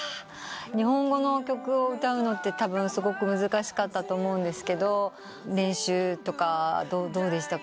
日本語の曲を歌うのってたぶんすごく難しかったと思うんですけど練習とかどうでしたか？